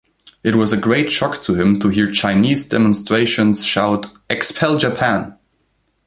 It was a great shock to him to hear Chinese demonstrations shout Expel Japan!